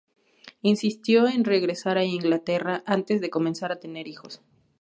Insistió en regresar a Inglaterra antes de comenzar a tener hijos.